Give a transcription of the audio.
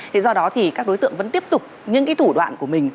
thế do đó thì các đối tượng vẫn tiếp tục những cái thủ đoạn của mình